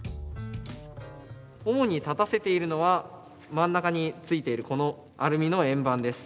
主に立たせているのは真ん中に付いているこのアルミの円盤です。